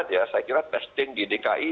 saya kira testing di dki